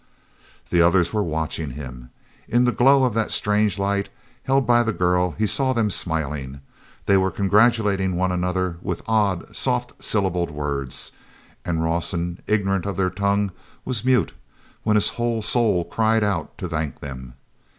The others were watching him. In the glow of that strange light held by the girl he saw them smiling. They were congratulating one another with odd, soft syllabled words. And Rawson, ignorant of their tongue, was mute, when his whole soul cried out to thank them.